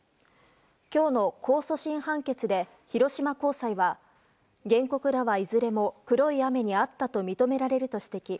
今日の控訴審判決で広島高裁は、原告らはいずれも黒い雨にあったと認められると指摘。